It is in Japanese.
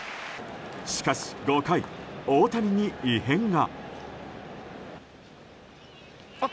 しかし５回、大谷に異変が。